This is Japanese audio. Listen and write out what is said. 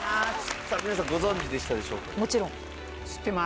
さあ皆さんご存じでしたでしょうか？